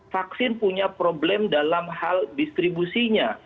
vaksin punya problem dalam hal distribusinya